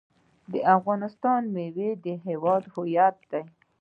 د افغانستان میوې د هیواد هویت دی.